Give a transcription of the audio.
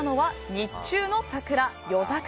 日中の桜、夜桜。